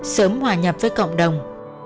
sớm hòa nhập với cộng đồng